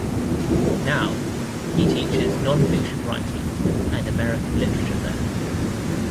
Now, he teaches nonfiction writing and American literature there.